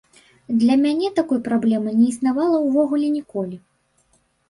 Для мяне такой праблемы не існавала ўвогуле ніколі.